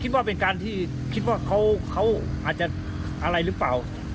คิดว่าเป็นการที่คิดว่าเขาอาจจะอะไรหรือเปล่า